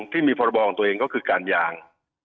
ที่มีพรบของตัวเองก็คือการยาง